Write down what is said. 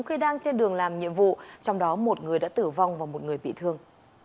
khi đang trên đường làm nhiệm vụ trong đó một người đã tử vong và một người bị thương